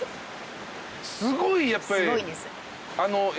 すごいやっぱり。